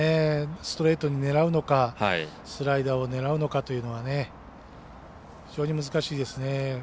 ストレートに狙うのかスライダーを狙うのかというのはね非常に難しいですね。